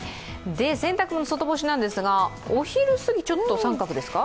洗濯物、外干しなんですがお昼過ぎ△ですか？